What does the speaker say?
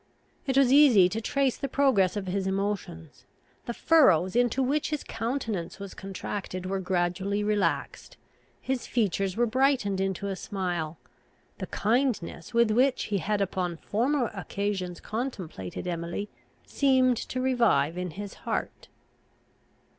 It was easy to trace the progress of his emotions. The furrows into which his countenance was contracted were gradually relaxed; his features were brightened into a smile; the kindness with which he had upon former occasions contemplated Emily seemed to revive in his heart.